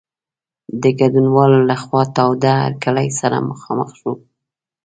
د ګډونوالو له خوا تاوده هرکلی سره مخامخ شو.